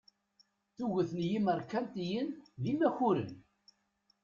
Tuget n yimerkantiyen d imakuren.